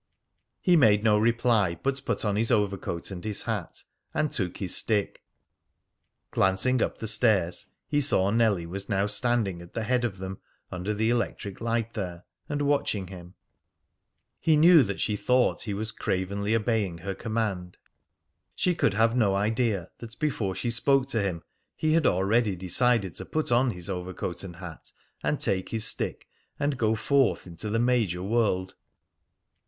He made no reply, but put on his overcoat and his hat, and took his stick. Glancing up the stairs, he saw Nellie was now standing at the head of them, under the electric light there, and watching him. He knew that she thought he was cravenly obeying her command. She could have no idea that before she spoke to him he had already decided to put on his overcoat and hat and take his stick and go forth into the major world.